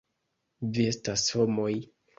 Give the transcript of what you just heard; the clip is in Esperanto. Vi estas homoj!